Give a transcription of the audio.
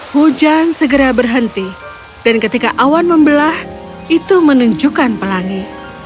hujan segera berhenti dan ketika awan membelah itu menunjukkan pelangi